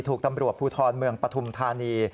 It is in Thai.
ถูกตำรวจภูทรเมืองปฐุมธานี